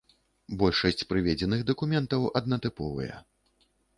Большасць прыведзеных дакументаў аднатыповыя.